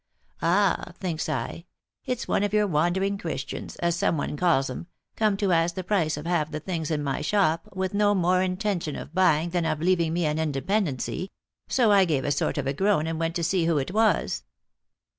' Ah,' thinks I, " it's one of your wandering Christians, as some one calls 'em, come to ask the price of half the things in my shop, with no more intention of buying than of leaving me an independency;' so I gave a sort of a groan and went to see who it was."